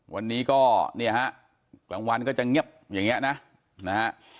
วันนี้ก็เนี่ยฮะกลางวันก็จะเงียบอย่างเงี้ยนะนะฮะ